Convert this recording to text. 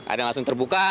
ada yang langsung terbuka